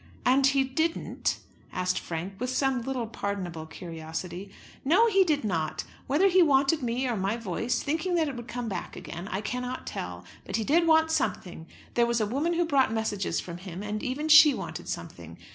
"And he didn't?" asked Frank, with some little pardonable curiosity. "No, he did not. Whether he wanted me or my voice, thinking that it would come back again, I cannot tell, but he did want something. There was a woman who brought messages from him, and even she wanted something.